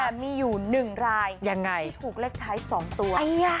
แต่มีอยู่หนึ่งรายที่ถูกเลขคลัยสองตัว